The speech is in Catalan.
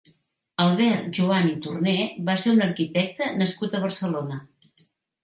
Albert Juan i Torner va ser un arquitecte nascut a Barcelona.